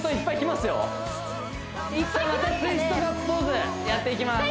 またツイストガッツポーズやっていきます